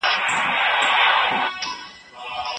ماشین ته د پاڼي له اچولو مخکي باید هغه په سمه توګه پاکه سي.